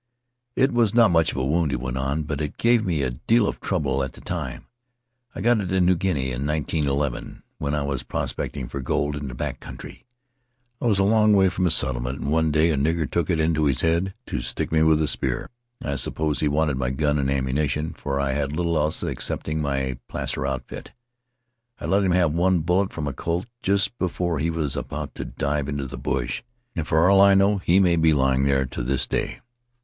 "It was not much of a wound," he went on, "but it gave me a deal of trouble at the time. I got it in New Guinea in nineteen eleven, when I was prospecting for gold in the back country. I was a long way from a settlement, and one day a nigger took it into his head to stick me with a spear. I suppose he wanted my gun and ammunition, for I had little else excepting my placer outfit. I let him have one bullet from my Colt just as he was about to dive into the bush, and for all I know he may be lying there to this day.